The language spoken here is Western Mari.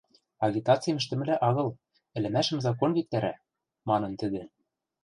— Агитацим ӹштӹмӹлӓ агыл, ӹлӹмӓшӹм закон виктӓрӓ, — манын тӹдӹ.